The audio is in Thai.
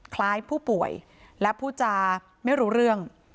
คล้ายผู้ป่วยและผู้จาไม่รู้เรื่อง